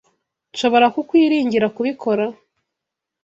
Nshobora kukwiringira kubikora?